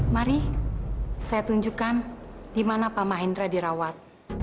mari saya tunjukkan di mana pak mahendra dirawat